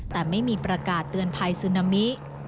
แต่ไม่มีประกาศเตือนภัยซึนามิ